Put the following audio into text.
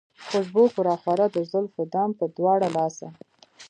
خوشبو که راخوره د زلفو دام پۀ دواړه لاسه